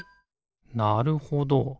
なるほど。